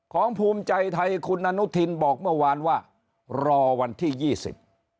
ภูมิใจไทยคุณอนุทินบอกเมื่อวานว่ารอวันที่ยี่สิบ